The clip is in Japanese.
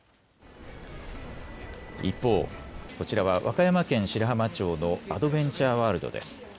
一方、こちらは和歌山県白浜町のアドベンチャーワールドです。